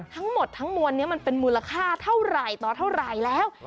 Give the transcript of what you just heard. ทั้งหมดทั้งมวลนี้มันเป็นมูลค่าเท่าไหร่ต่อเท่าไหร่แล้ว